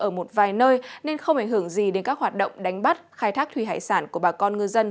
ở một vài nơi nên không ảnh hưởng gì đến các hoạt động đánh bắt khai thác thủy hải sản của bà con ngư dân